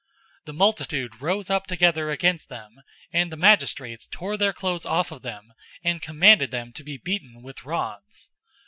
016:022 The multitude rose up together against them, and the magistrates tore their clothes off of them, and commanded them to be beaten with rods.